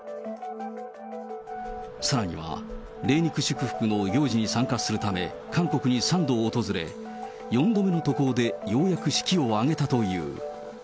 さらには霊肉祝福の行事に参加するため韓国に３度訪れ、４度目の渡航でようやく式を挙げたという。